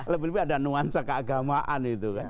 lebih lebih ada nuansa keagamaan itu kan